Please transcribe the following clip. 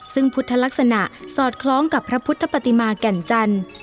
ซึ่งพุทธลักษณะสอดคล้องกับพระพุทธปฏิมาแก่นจันทร์